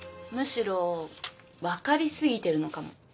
むしろ分かりすぎてるのかも。